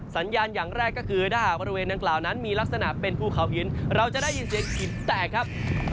สัญญาณอย่างแรกก็คือถ้าหากบริเวณดังกล่าวนั้นมีลักษณะเป็นภูเขาหินเราจะได้ยินเสียงหินแตกครับ